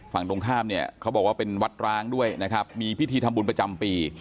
ฝั่งตรงข้ามเนี่ยเขาบอกว่าเป็นวัดร้างด้วยนะครับมีพิธีทำบุญประจำปี